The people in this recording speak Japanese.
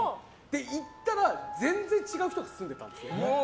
行ったら全然違う人が住んでたんですよ。